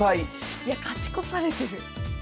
いや勝ち越されてる。